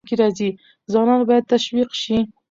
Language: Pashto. ځوانان باید تشویق شي.